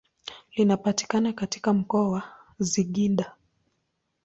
Linapatikana katika mkoa wa Singida.